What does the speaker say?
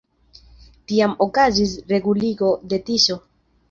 Tiam okazis reguligo de Tiso.